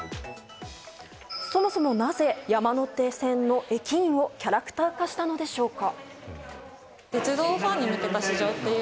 そもそもなぜ、山手線の駅員をキャラクター化したのでしょうか。